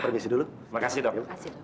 terima kasih dok